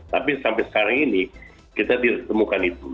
tapi sampai sekarang ini kita ditemukan itu